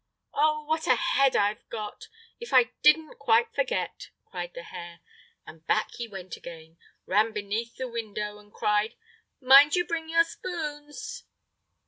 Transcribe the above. "Oh, what a head I've got! if I didn't quite forget!" cried the hare, and back he went again, ran beneath the window, and cried: "Mind you bring your spoons!"